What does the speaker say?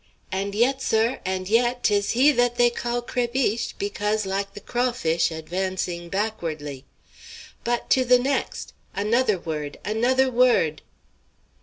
And yet, sir, and yet, 'tis he that they call Crébiche, because like the crawfish advancing backwardly. But to the next! another word! another word!"